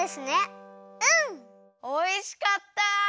おいしかった！